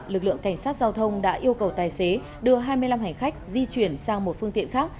lực lượng cảnh sát giao thông đã yêu cầu tài xế đưa hai mươi năm hành khách di chuyển sang một phương tiện khác